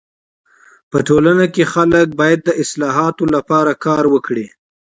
په ټولنه کي خلک باید د اصلاحاتو لپاره کار وکړي.